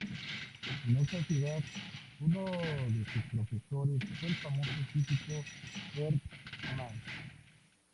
En esa ciudad, uno de sus profesores fue el famoso físico Ernst Mach.